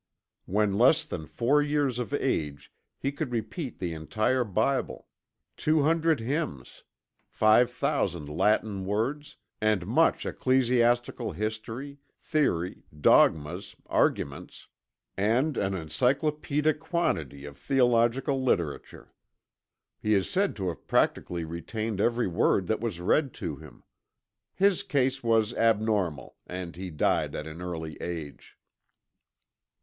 When less than four years of age he could repeat the entire Bible; two hundred hymns; five thousand Latin words; and much ecclesiastical history, theory, dogmas, arguments; and an encyclopædic quantity of theological literature. He is said to have practically retained every word that was read to him. His case was abnormal, and he died at an early age.